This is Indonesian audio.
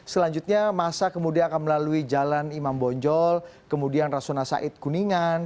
selanjutnya masa kemudian akan melalui jalan imam bonjol kemudian rasuna said kuningan